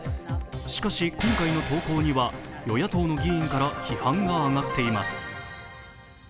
しかし今回の投稿には与野党の議員から批判が上がっています。